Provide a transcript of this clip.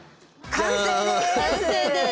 完成です。